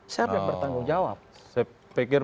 siapa yang bertanggung jawab saya pikir